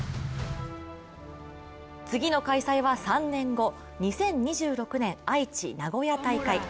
次の開催は３年後、２０２６年愛知・名古屋大会。